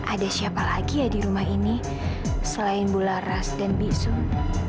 ada siapa lagi ya di rumah ini selain bularas dan biksun